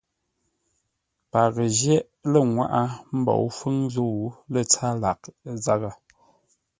Paghʼə jyéʼ lə́ ŋwáʼá mbǒu fúŋ zə̂u lə́ tsâr lâʼ zághʼə.